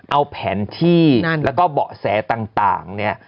เอาแผนที่แล้วก็เบาะแสต่างเนี่ย